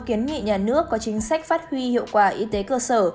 kiến nghị nhà nước có chính sách phát huy hiệu quả y tế cơ sở